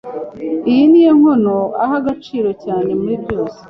Iyi niyo nkono aha agaciro cyane muri byose.